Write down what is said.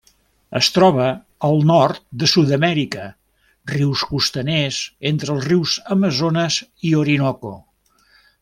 Es troba al nord de Sud-amèrica: rius costaners entre els rius Amazones i Orinoco.